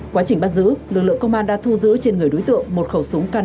quá trình bắt giữ lực lượng công an đã thu giữ trên người đối tượng một khẩu súng k năm